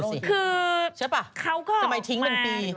สมัยทิ้งเป็นปี